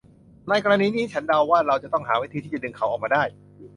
ในกรณีนี้ฉันเดาว่าเราจะต้องหาวิธีที่จะดึงเขาออกมาได้